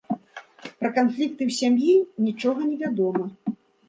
Пра канфлікты ў сям'і нічога невядома.